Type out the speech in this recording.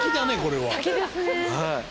はい。